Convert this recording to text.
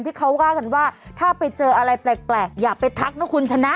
ที่เขาว่ากันว่าถ้าไปเจออะไรแปลกอย่าไปทักนะคุณชนะ